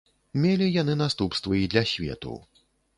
Мелі яны наступствы і для свету.